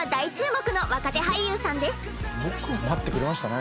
よく待ってくれましたね。